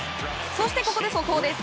そしてここで速報です。